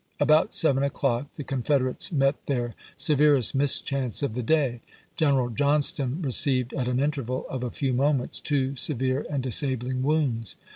About seven o'clock the Confederates met their se verest mischance of the day ; General Johnston re ceived, at an interval of a few moments, two severe and disabling wounds.